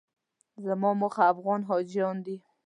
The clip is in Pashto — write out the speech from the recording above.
زما موخه افغان حاجیان دي.